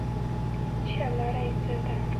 چې حل لاره ئې څۀ ده -